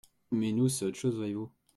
Mais nous, c’est autre chose voyez-vous ?